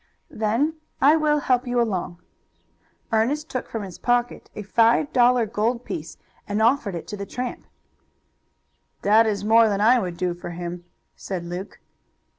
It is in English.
"Then I will help you along." Ernest took from his pocket a five dollar gold piece, and offered it to the tramp. "That is more than I would do for him," said Luke.